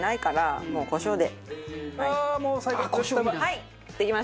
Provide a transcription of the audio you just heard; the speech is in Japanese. はいできました！